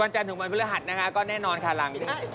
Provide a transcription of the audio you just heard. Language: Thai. วันจันทร์ถึงวันภิราหัสนะคะก็แน่นอนค่ะหลังวิทยาลัย